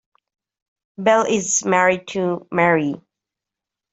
Bell is married to Mary.